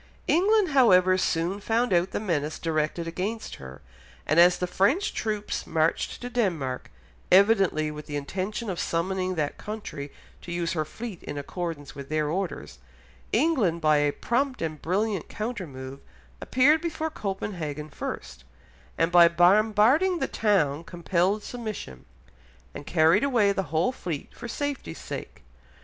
England, however, soon found out the menace directed against her, and as the French troops marched to Denmark, evidently with the intention of summoning that country to use her fleet in accordance with their orders, England by a prompt and brilliant countermove appeared before Copenhagen first, and by bombarding the town compelled submission, and carried away the whole fleet for safety's sake.